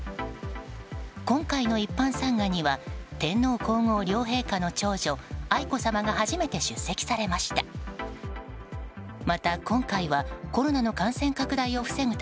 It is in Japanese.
今回の一般参賀には天皇・皇后両陛下の長女愛子さまが初めて出席されました。